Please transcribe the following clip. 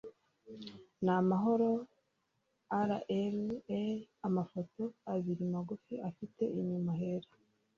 n'amahoro “RRA” Amafoto abiri magufa afite inyuma hera